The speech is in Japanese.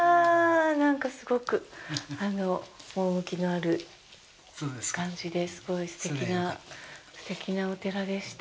なんかすごく趣のある感じで、すごいすてきなお寺でした。